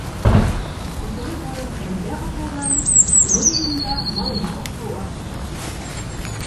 Кешегә барып әлбә ашауҙан үҙ өйөндә һалма ашау артыҡ.